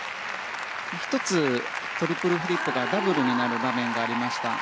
１つトリプルフリップがダブルになる場面がありました。